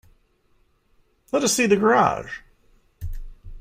Let us see the garage!